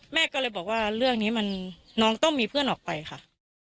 แม่ก็เลยบอกว่าเรื่องนี้มันน้องต้องมีเพื่อนออกไปค่ะ